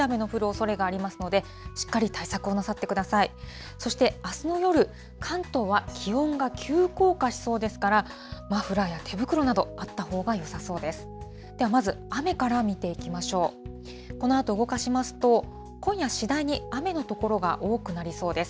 そして、あすの夜、関東は気温が急降下しそうですから、マフラーや手袋など、あったほうがよさそうです。